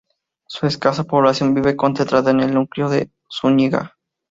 Su escasa población vive concentrada en el núcleo de Zuñiga.